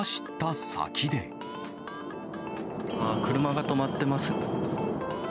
車が止まってます。